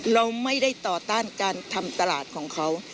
เราไม่ได้ต่อต้านการทำตลาดของเขา